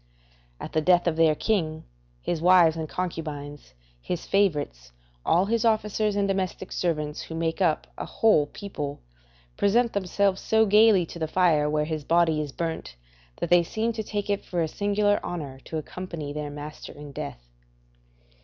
At the death of their king, his wives and concubines, his favourites, all his officers, and domestic servants, who make up a whole people, present themselves so gaily to the fire where his body is burnt, that they seem to take it for a singular honour to accompany their master in death.